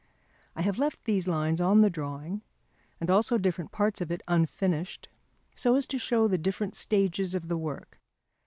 I have left these lines on the drawing, and also different parts of it unfinished, so as to show the different stages of the work.